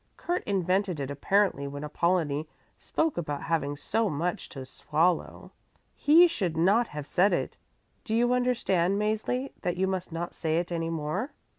Kurt invented it apparently when Apollonie spoke about having so much to swallow. He should not have said it. Do you understand, Mäzli, that you must not say it any more?"